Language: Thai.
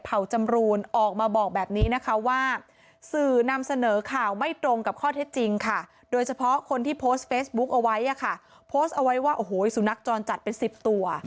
โพสต์เอาไว้ว่าโอ้โหสุนัขจรจัดเป็น๑๐ตัว